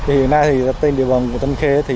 hiện nay tên địa bàn của tâm khế